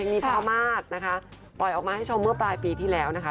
เพลงนี้เข้ามากนะคะปล่อยให้ชอบเมื่อปลายปีที่แล้วนะคะ